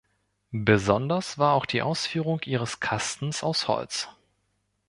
Besonders war auch die Ausführung ihres Kastens aus Holz.